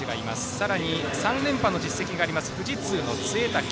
さらに３連覇の実績がある富士通の潰滝。